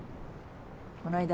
こないだ